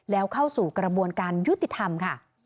แล้วเข้าสู่กระบวนการยุติธรรมค่ะ